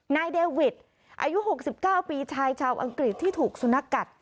นายเดวิดอายุ๖๙ปีชายชาวอังกฤษที่ถูกสุนัขกัด